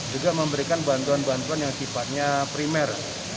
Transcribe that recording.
juga memberikan bantuan bantuan yang sifatnya primer